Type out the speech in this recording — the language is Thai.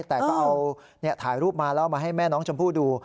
แต่ก็เอาถ่ายรูปมาแล้วเอามาให้แม่น้องชมพู่ดู